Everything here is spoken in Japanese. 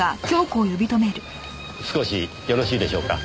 少しよろしいでしょうか？